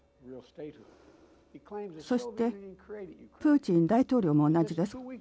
そしてプーチン大統領も同じです。